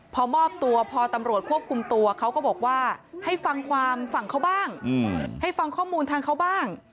พอมอบตัวพอตำรวจควบคุมตัวเขาก็บอกว่าให้ฟังความฝั่งเขาบ้างให้ฟังข้อมูลทางเขาบ้าง